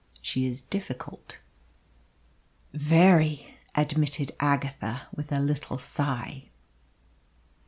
She is difficult." "Very," admitted Agatha, with a little sigh.